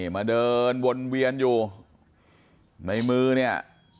มาเดินวนเวียนอยู่ในมือเนี่ย